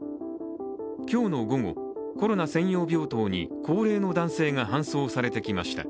今日の午後、コロナ専用病棟に高齢の男性が搬送されてきました。